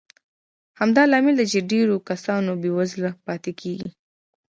همدا لامل دی چې ډېر کسان بېوزله پاتې کېږي.